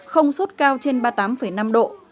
không sốt cao trên ba mươi tám năm độ